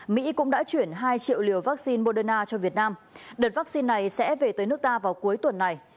mỹ cũng đã chuyển hai triệu liều vaccine moderna cho việt nam đợt vaccine này sẽ về tới nước ta vào cuối tuần này